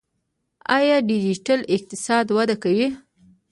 آیا ډیجیټل اقتصاد وده کوي؟